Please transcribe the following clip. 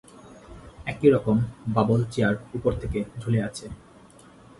একই রকম bubble chair উপর থেকে ঝুলে আছে।